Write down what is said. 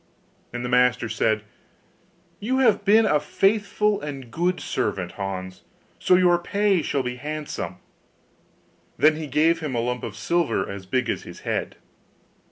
And the master said, 'You have been a faithful and good servant, Hans, so your pay shall be handsome.' Then he gave him a lump of silver as big as his head.